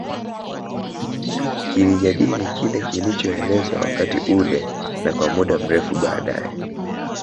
Kilijadili kile kilichoelezwa wakati ule na kwa muda mrefu baadae